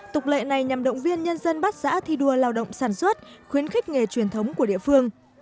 tục lệ này nhằm động viên nhân dân bát giã thi đua lao động sản xuất khuyến khích nghề truyền thống của địa phương